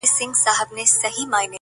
ژر سه ته زما له گرانښته قدم اخله!